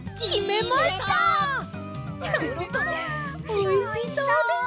おいしそうです！